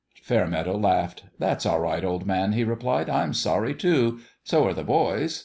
Fairmeadow laughed. " That's all right, old man," he replied. " I'm sorry, too. So are the boys.